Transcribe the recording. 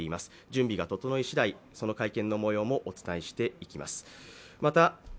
準備が整いしだい、会見のもようもお伝えしていきます。